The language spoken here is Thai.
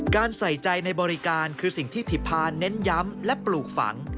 ใส่ใจในบริการคือสิ่งที่ถิภาเน้นย้ำและปลูกฝัง